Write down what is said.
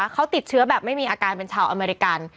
เขาติดเชื้อแบบไม่มีอาการเป็นชาวอเมริกัน